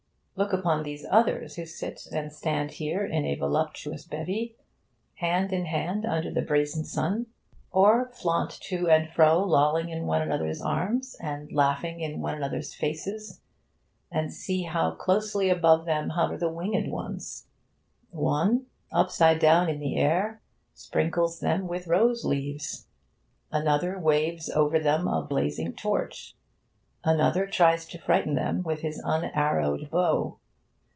Look upon these others who sit and stand here in a voluptuous bevy, hand in hand under the brazen sun, or flaunt to and fro, lolling in one another's arms and laughing in one another's faces. And see how closely above them hover the winged loves! One, upside down in the air, sprinkles them with rose leaves; another waves over them a blazing torch; another tries to frighten them with his unarrowed bow.